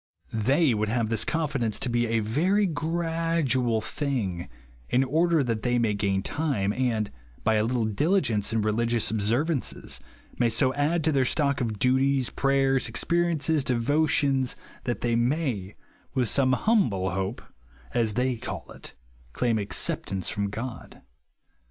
They would have this confidence to be a very gradual thing, in order that they may gain time, and, by a little diligence in re ligious observances, may so add to their stock of duties, prayers, experiences, devo tions, that they may, with some humble hope, as they call it, claim acceptance from God.